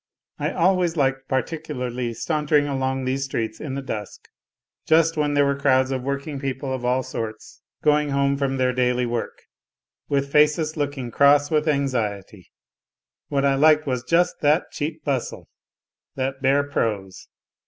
I always liked par ticularly sauntering along these streets in the dusk, just when there were crowds of working people of all sorts going NOTES FROM UNDERGROUND 137 home from their daily work, with faces looking cross with anxiety. What I liked was just that cheap bustle, that bare prose.